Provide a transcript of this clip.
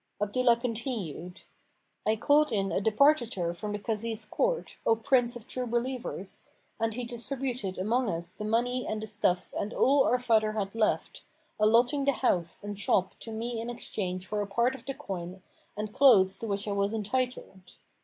Abdullah continued "I called in a departitor from the Kazi's court, O Prince of True Believers, and he distributed amongst us the money and the stuffs and all our father had left, allotting the house and shop to me in exchange for a part of the coin and clothes to which I was entitled.